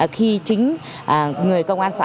khi chính người công an xã